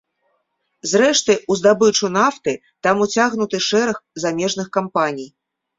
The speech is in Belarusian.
Зрэшты, у здабычу нафты там уцягнуты шэраг замежных кампаній.